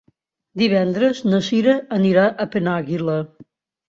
Divendres na Cira anirà a Penàguila.